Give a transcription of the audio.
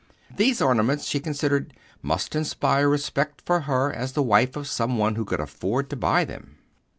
These ornaments, she considered, must inspire respect for her as the wife of some one who could afford to buy them.